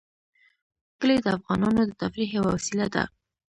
کلي د افغانانو د تفریح یوه وسیله ده.